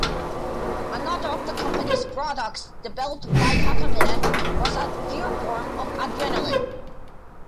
Another of the company's products developed by Takamine was a pure form of adrenaline.